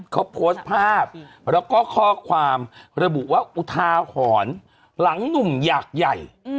เขาโพสต์ภาพแล้วก็ข้อความระบุว่าอุทาหรณ์หลังหนุ่มอยากใหญ่